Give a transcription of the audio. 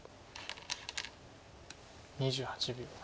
２８秒。